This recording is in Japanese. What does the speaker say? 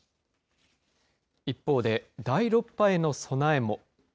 一方で、第６波への備えも。